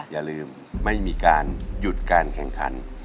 อย่าลืมไม่มีการหยุดการแข่งขัน